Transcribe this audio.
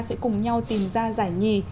sẽ cùng nhau tìm ra giải nhì